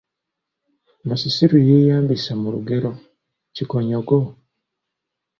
Musisi lwe yeeyambisa mu lugero “Kikonyogo”?